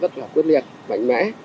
rất là quyết liệt mạnh mẽ